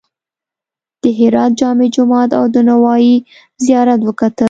د هرات جامع جومات او د نوایي زیارت وکتل.